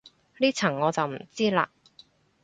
呢層我就唔知嘞